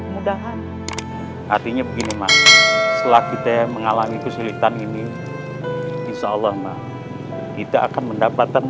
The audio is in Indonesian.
mudahan artinya begini mas setelah kita mengalami kesulitan ini insyaallah kita akan mendapatkan